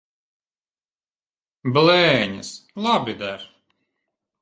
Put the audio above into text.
Blēņas! Labi der.